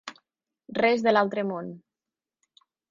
Res de l'altre món.